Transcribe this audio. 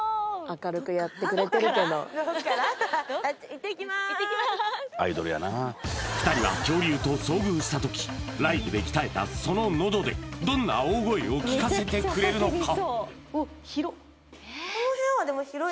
あっち２人は恐竜と遭遇した時ライブで鍛えたその喉でどんな大声を聞かせてくれるのか？